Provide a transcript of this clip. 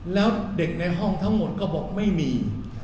แล้วเด็กในห้องทั้งหมดก็บอกไม่มี